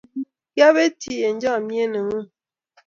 kiabetchi eng' chamiet ne ng'un